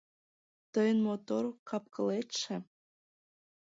Тыйын мотор кап-кылетше